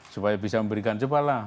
supaya bisa memberikan cobalah